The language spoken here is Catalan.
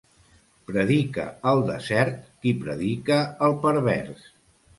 Predica al desert, qui predica al pervers.